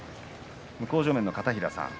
向正面の片平さん